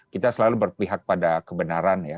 kita selalu berpihak pada kebenaran ya